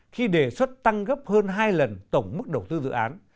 khi đề xuất tăng gấp hơn hai lần tổng mức đầu tư dự án